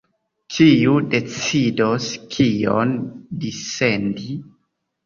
Kiu decidos kion dissendi?